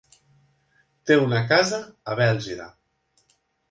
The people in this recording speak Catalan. Té una casa a Bèlgida.